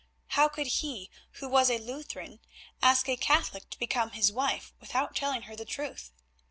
How could he who was a Lutheran ask a Catholic to become his wife without telling her the truth?